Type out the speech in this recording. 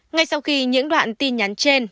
ngay sau khi những đoạn tin nhắn trên